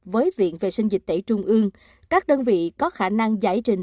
với viện vệ sinh dịch tễ trung ương các đơn vị có khả năng giải trình